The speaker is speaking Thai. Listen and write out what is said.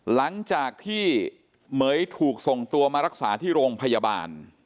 หลังจากที่เหม๋ยถูกส่งตัวมารักษาที่โรงพยาบาล